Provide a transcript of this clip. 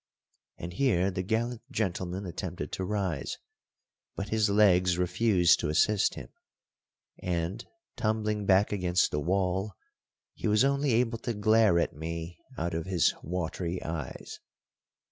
And here the gallant gentleman attempted to rise, but his legs refused to assist him, and, tumbling back against the wall, he was only able to glare at me out of his watery eyes.